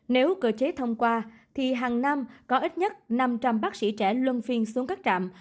nếu cơ chế thông qua thì hàng năm có ít nhất năm trăm linh bác sĩ trẻ luân phiên xuống các trạm